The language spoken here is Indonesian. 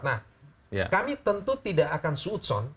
nah kami tentu tidak akan suitson